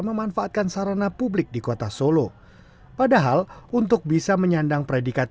memanfaatkan sarana publik di kota solo padahal untuk bisa menyandang predikat